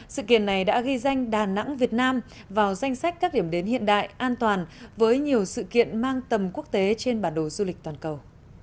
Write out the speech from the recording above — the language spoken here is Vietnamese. sự kiện này đã ghi danh đà nẵng việt nam vào danh sách các điểm đến hiện đại an toàn với nhiều sự kiện mang tầm quốc tế trên bản đồ du lịch toàn cầu